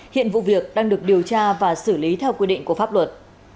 hiện vụ việc đang được điều tra và xử lý theo quy định của pháp luật